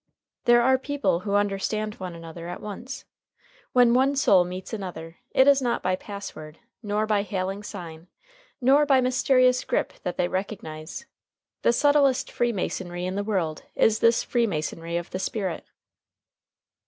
There are people who understand one another at once. When one soul meets another, it is not by pass word, nor by hailing sign, nor by mysterious grip that they recognize. The subtlest freemasonry in the world is this freemasonry of the spirit.